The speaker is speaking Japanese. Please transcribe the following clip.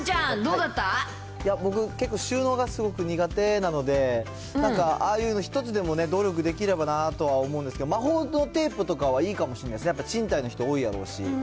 僕、結構収納がすごく苦手なので、なんかああいうの一つでも努力できればなとは思うんですけど、魔法のテープとかはいいかもしれないですね、やっぱ賃貸の人多いやろうし。